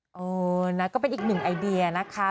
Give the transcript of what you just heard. เออแล้วก็เป็นอีก๑ไอเดียนะคะ